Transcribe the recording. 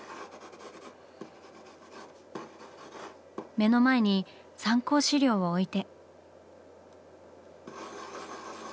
目の前に参考資料を置いて。